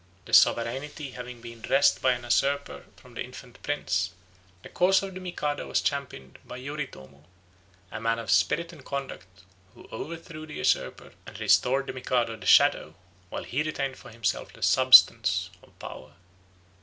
The sovereignty having been wrested by a usurper from the infant prince, the cause of the Mikado was championed by Yoritomo, a man of spirit and conduct, who overthrew the usurper and restored to the Mikado the shadow, while he retained for himself the substance, of power.